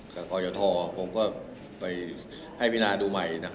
กรยทผมก็ไปให้พินาดูใหม่